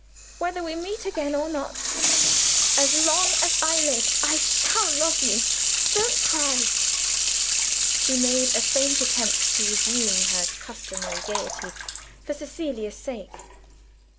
Whether we meet again or not, as long as I live I shall love you. Don't cry!" She made a faint attempt to resume her customary gayety, for Cecilia's sake.